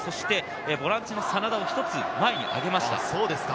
ボランチの真田を一つ前に上げました。